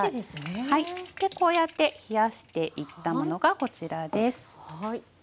でこうやって冷やしていったものがこちらです。